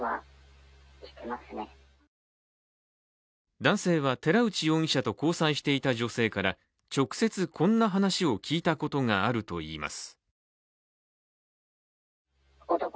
男性は、寺内容疑者と交際していた女性から直接こんな話を聞いたことがあるといいます。